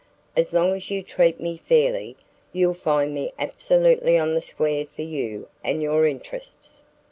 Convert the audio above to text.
As long as you treat me fairly, you'll find me absolutely on the square for you and your interests."